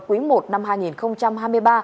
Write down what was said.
quý i năm hai nghìn hai mươi ba